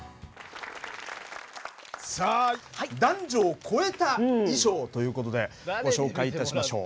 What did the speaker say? さあ男女を越えた衣装ということでご紹介いたしましょう。